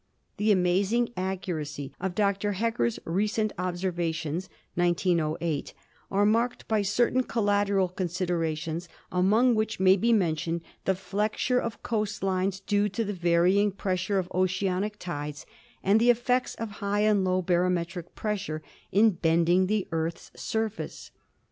The amazing accuracy of Dr. Hecker's recent observations (1908) are marked by certain collateral considerations, among which may be mentioned the flexure of coast lines, due to the varying pressure of oceanic tides, and the ef fects of high and low barometric pressure in bending the Earth's surface.